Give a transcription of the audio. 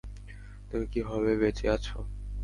তুমি কীভাবে বেঁচে আছ?